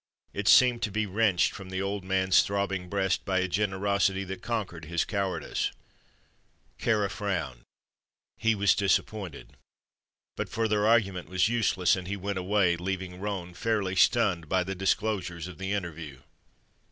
It seemed to be wrenched from the old man's throbbing breast by a generosity that conquered his cowardice. Kāra frowned. He was disappointed. But further argument was useless, and he went away, leaving Roane fairly stunned by the disclosures of the interview.